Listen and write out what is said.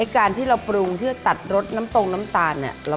การปลูงเพื่อตัดรสน้ำโต๊งน้ำตาล